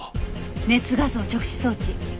熱画像直視装置。